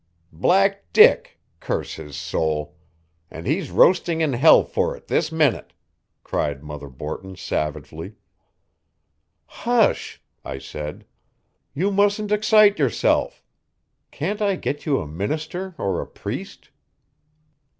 "Black Dick curse his soul. And he's roasting in hell for it this minute," cried Mother Borton savagely. "Hush!" I said. "You mustn't excite yourself. Can't I get you a minister or a priest?"